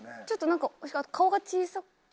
ちょっとなんか顔が小さく。